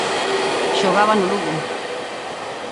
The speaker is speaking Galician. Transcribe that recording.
Xogaba no Lugo.